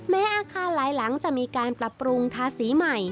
อาคารหลายหลังจะมีการปรับปรุงทาสีใหม่